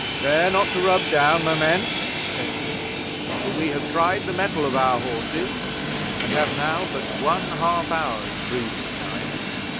"Spare not to rub down, my men," said he, "for we have tried the mettle of our horses, and have now but one half hour's breathing time.